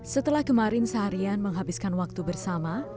setelah kemarin seharian menghabiskan waktu bersama